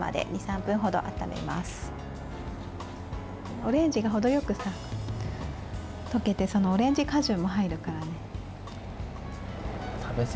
オレンジがほどよく溶けてそのオレンジ果汁も入るからね。